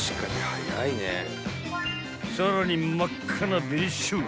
［さらに真っ赤な紅ショウガ］